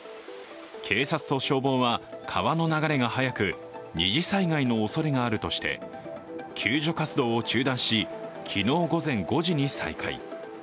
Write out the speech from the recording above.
警察と消防は川の流れが速く、二次災害のおそれがあるとして、救助活動を中断し、昨日午前５時に再開。